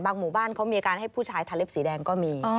หมู่บ้านเขามีอาการให้ผู้ชายทาเล็บสีแดงก็มี